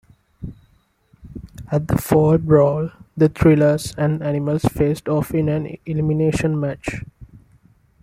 At Fall Brawl, the Thrillers and the Animals faced off in an elimination match.